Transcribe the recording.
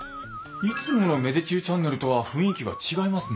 いつもの芽出中チャンネルとは雰囲気が違いますね。